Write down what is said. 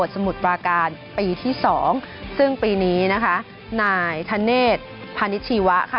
สมุทรปราการปีที่สองซึ่งปีนี้นะคะนายธเนธพาณิชชีวะค่ะ